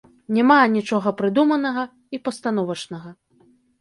Няма анічога прыдуманага і пастановачнага.